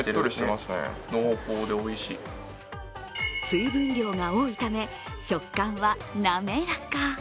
水分量が多いため食感は滑らか。